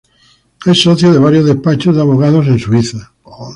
Es socio de varios despachos de abogados en Suiza.